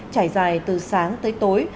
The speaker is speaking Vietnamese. trải dài từ sáng tới tối